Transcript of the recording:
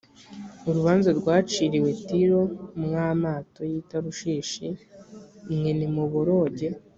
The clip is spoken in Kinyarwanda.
urubanza rwaciriwe tiro mwa mato y i tarushishi mwe nimuboroge